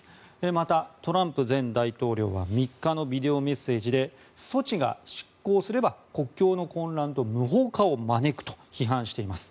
またトランプ前大統領は３日のビデオメッセージで措置が失効すれば国境の混乱と無法化を招くと批判しています。